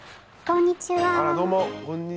こんにちは。